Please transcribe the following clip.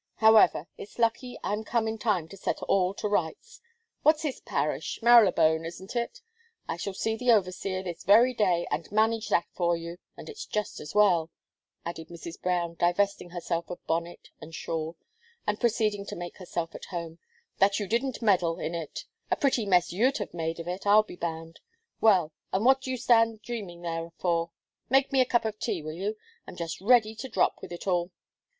However, it's lucky I'm come in time to set all to rights. What's his parish? Marylebone, ain't it? I shall see the overseer this very day, and manage that for you; and it's just as well," added Mrs. Brown, divesting herself of bonnet and shawl, and proceeding to make herself at home, "that you didn't meddle, in it a pretty mess you'd have made of it, I'll be bound. Well! and what do you stand dreaming there for? Make me a cup of tea will you? I am just ready to drop with it all."